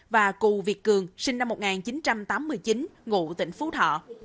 và cù việt cường sinh năm một nghìn chín trăm tám mươi chín ngụ tỉnh phú thọ